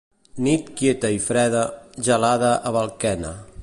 Nit quieta i freda, gelada a balquena.